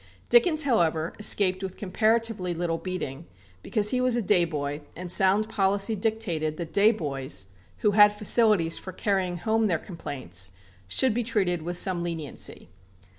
Dickens, however, escaped with comparatively little beating, because he was a day boy, and sound policy dictated that day boys, who had facilities for carrying home their complaints, should be treated with some leniency.